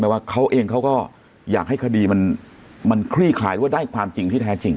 ว่าเขาเองเขาก็อยากให้คดีมันคลี่คลายหรือว่าได้ความจริงที่แท้จริง